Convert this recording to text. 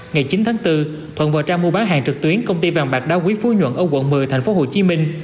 ngày chín tháng bốn thuận vào trang mua bán hàng trực tuyến công ty vàng bạc đa quý phú nhuận ở quận một mươi thành phố hồ chí minh